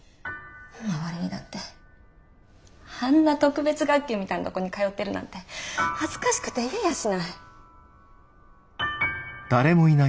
周りにだってあんな特別学級みたいなとこに通ってるなんて恥ずかしくて言えやしない。